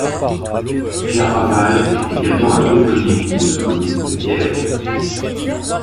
Claravalls est également un toponyme de la commune de Bièvre.